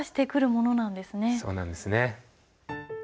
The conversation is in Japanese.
そうなんですね。